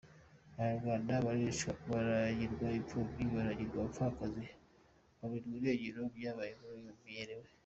Abanyarwanda baricwa, baragirwa imfubyi, baragirwa abapfakazi, kuburirwa irengero byabaye inkuru imenyerewe.